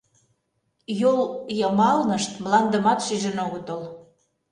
Йол йымалнышт мландымат шижын огытыл.